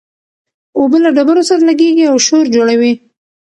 اوبه له ډبرو سره لګېږي او شور جوړوي.